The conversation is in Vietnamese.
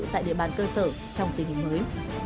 tại địa bàn cơ sở trong tình hình mới